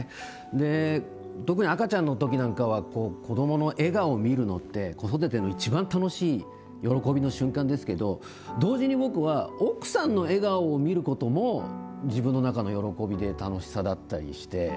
で特に赤ちゃんの時なんかは子供の笑顔見るのって子育ての一番楽しい喜びの瞬間ですけど同時に僕は奥さんの笑顔を見ることも自分の中の喜びで楽しさだったりして。